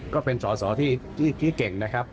ก็เป็นสอสอที่เก่งนะครับ